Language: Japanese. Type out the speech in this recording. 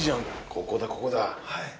ここだ、ここだ。